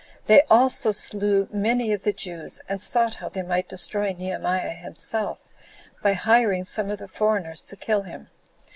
They also slew many of the Jews, and sought how they might destroy Nehemiah himself, by hiring some of the foreigners to kill him.